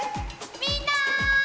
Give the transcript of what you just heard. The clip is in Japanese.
みんな！